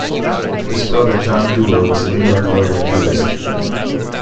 His brother John Duer was a New York lawyer and jurist.